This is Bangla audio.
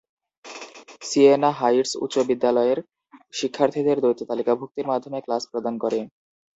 সিয়েনা হাইটস উচ্চ বিদ্যালয়ের শিক্ষার্থীদের দ্বৈত তালিকাভুক্তির মাধ্যমে ক্লাস প্রদান করে।